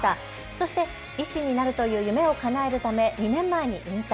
そして医師になるという夢をかなえるため２年前に引退。